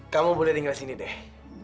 kamu boleh tinggal sini deh